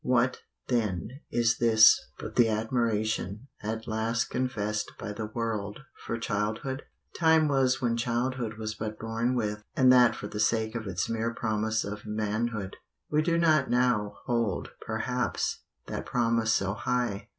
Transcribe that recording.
What, then, is this but the admiration, at last confessed by the world, for childhood? Time was when childhood was but borne with, and that for the sake of its mere promise of manhood. We do not now hold, perhaps, that promise so high.